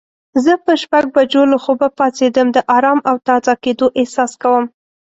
زه په شپږ بجو له خوبه پاڅیدم د آرام او تازه کیدو احساس کوم.